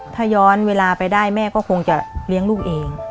ถ้าย้อนเวลาไปได้แม่ก็คงจะเลี้ยงลูกเอง